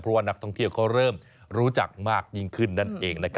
เพราะว่านักท่องเที่ยวเขาเริ่มรู้จักมากยิ่งขึ้นนั่นเอง